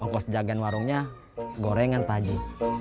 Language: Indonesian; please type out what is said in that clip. ongkos jagen warungnya gorengan paji